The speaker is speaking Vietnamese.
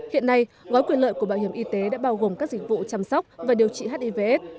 hiện nay gói quyền lợi của bảo hiểm y tế đã bao gồm các dịch vụ chăm sóc và điều trị hivs